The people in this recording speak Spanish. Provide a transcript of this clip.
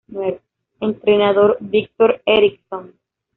Entrenador: Viktor Eriksson